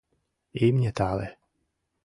Имне тале.